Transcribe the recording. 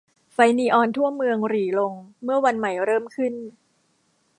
ไฟนีออนทั่วเมืองหรี่ลงเมื่อวันใหม่เริ่มขึ้น